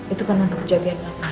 itukan untuk kejadian mama